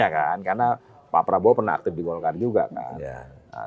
ya kan karena pak prabowo pernah aktif di golkar juga kan